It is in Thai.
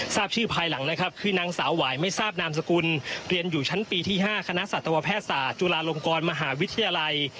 ทราบชื่อภายหลังนะครับคือนางสาวหวายไม่ทราบนามสกุลเรียนอยู่ชั้นปีที่๕คณะสัตวแพทยศาสตร์จุฬาลงกรมหาวิทยาลัย